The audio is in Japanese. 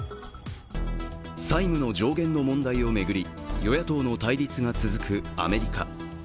債務の上限の問題を巡り、与野党の対立が続くアメリカ。